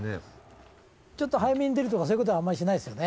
ちょっと早めに出るとかそういうことしないですよね。